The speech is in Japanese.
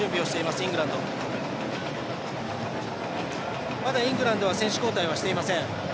イングランドはまだ選手交代していません。